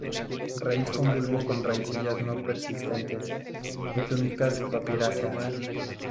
Raíz con bulbo con raicillas no persistentes y túnicas papiráceas.